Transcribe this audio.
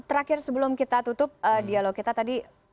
terakhir sebelum kita tutup dialog kita tadi